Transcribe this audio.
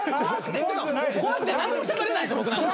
怖くて何もしゃべれない僕なんか。